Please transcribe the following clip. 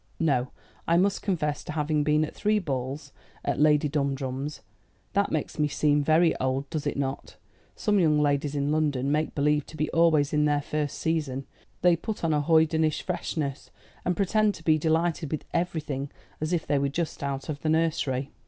"No? I must confess to having been at three balls at Lady Dumdrum's. That makes me seem very old, does it not? Some young ladies in London make believe to be always in their first season. They put on a hoydenish freshness, and pretend to be delighted with everything, as if they were just out of the nursery."